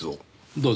どうぞ。